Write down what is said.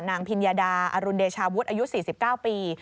นางพิญญดาอรุณเดชาวุฒิอยู่๔๙ปี